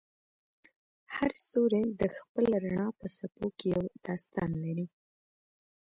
هر ستوری د خپل رڼا په څپو کې یو داستان لري.